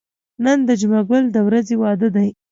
نن د جمعه ګل د ځوی واده دی.